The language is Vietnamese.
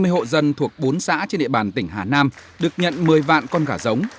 một trăm hai mươi hộ dân thuộc bốn xã trên địa bàn tỉnh hà nam được nhận một mươi vạn con gà giống